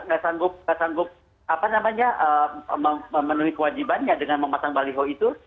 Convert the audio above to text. nggak sanggup memenuhi kewajibannya dengan memasang baliho itu